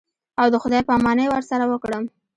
او د خداى پاماني ورسره وکړم.